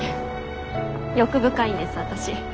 欲深いんです私。